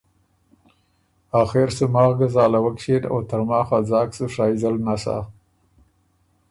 آخر سو ماخ ګه زالَوک ݭیېن او ترماخ ا ځاک سُو شائزل نسا۔